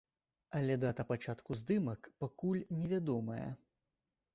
Але дата пачатку здымак пакуль не вядомая.